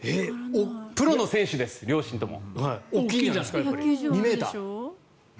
プロの選手です、両親とも。